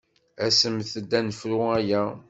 Asemt-d ad nefru aya!